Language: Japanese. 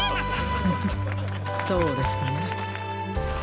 フフッそうですね。